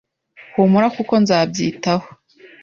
Humura kuko nzabyitaho.